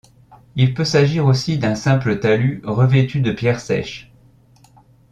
Il peut s’agir aussi d’un simple talus revêtu de pierres sèches.